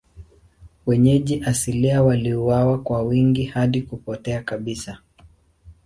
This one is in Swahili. Wenyeji asilia waliuawa kwa wingi hadi kupotea kabisa.